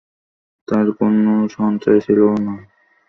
তার কোন সঞ্চয় ছিল না।